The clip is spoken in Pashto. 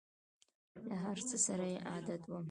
له هر څه سره یې عادت وم !